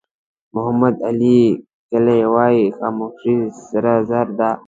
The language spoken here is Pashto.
محمد علي کلي وایي خاموشي سره زر ده.